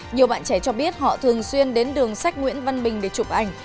nhiều bạn trẻ cho biết họ thường xuyên đến đường sách nguyễn văn bình để chụp ảnh